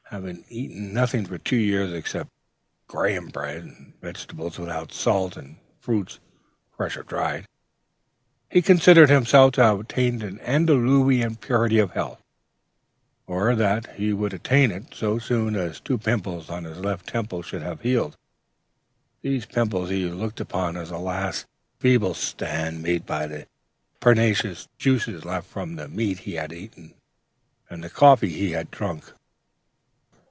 Having eaten nothing for two years, except Graham bread, vegetables without salt, and fruits, fresh or dried, he considered himself to have attained an antediluvian purity of health, or that he would attain it, so soon as two pimples on his left temple should have healed. These pimples he looked upon as the last feeble stand made by the pernicious juices left from the meat he had formerly eaten and the coffee he had drunk.